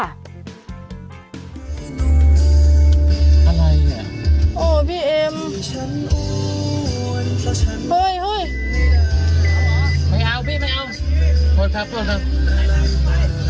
อะไรเนี่ยโอ้พี่เอ็มเฮ้ยเฮ้ยไม่เอาพี่ไม่เอาโทษครับโทษครับ